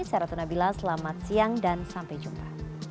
saya ratna bila selamat siang dan sampai jumpa